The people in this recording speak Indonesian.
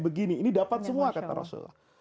begini ini dapat semua kata rasulullah